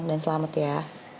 dan selamat ya